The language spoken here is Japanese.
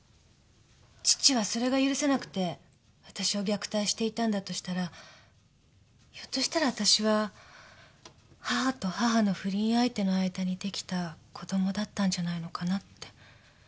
父はそれが許せなくてあたしを虐待していたんだとしたらひょっとしたらあたしは母と母の不倫相手の間にできた子供だったんじゃないのかなって。